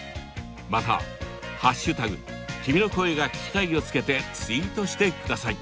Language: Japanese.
また「＃君の声が聴きたい」をつけてツイートしてください。